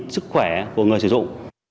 sức khỏe của người sử dụng